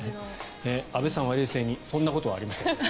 阿部さんは冷静にそんなことはありません。